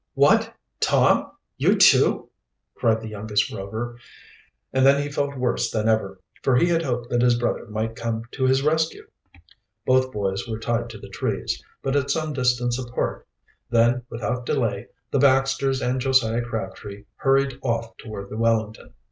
"What, Tom! you too?" cried the youngest Rover. And then he felt worse than ever, for he had hoped that his brother might come to his rescue. Both boys were tied to the trees, but at some distance apart. Then, without delay, the Baxters and Josiah Crabtree hurried off toward the Wellington.